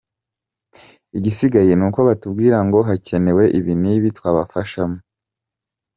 Igisigaye ni uko batubwira ngo hakenewe ibi n’ibi twabafasahamo.